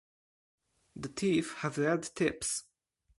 The teeth have red tips.